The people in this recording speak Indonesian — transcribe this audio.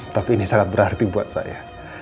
tapi ini sangat berarti buat saya